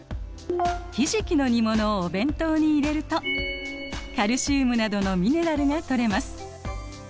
ひじきの煮物をお弁当に入れるとカルシウムなどのミネラルがとれます。